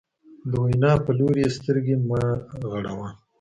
د وینا په لوري یې سترګې مه غړوه.